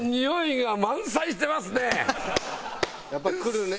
やっぱりくるね。